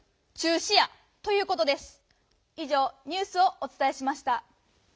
い上ニュースをおつたえしました。